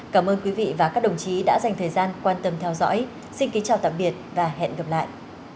cảm ơn quý vị và các đồng chí đã dành thời gian quan tâm theo dõi xin kính chào tạm biệt và hẹn gặp lại